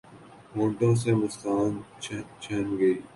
ہونٹوں سے مسکان چھن جائے